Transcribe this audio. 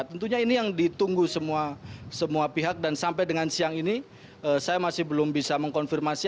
tentunya ini yang ditunggu semua pihak dan sampai dengan siang ini saya masih belum bisa mengkonfirmasi